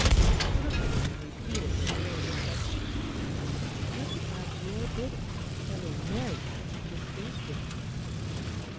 She looked at him, and repeated her earlier question. "Was it at your bidding that Lady Mary came to speak with me?"